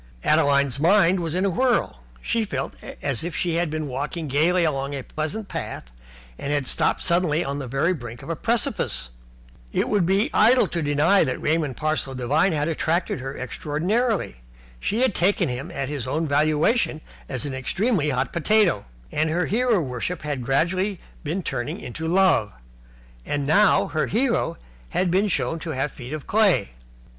Adeline's mind was in a whirl. She felt as if she had been walking gaily along a pleasant path and had stopped suddenly on the very brink of a precipice. It would be idle to deny that Raymond Parsloe Devine had attracted her extraordinarily. She had taken him at his own valuation as an extremely hot potato, and her hero worship had gradually been turning into love. And now her hero had been shown to have feet of clay.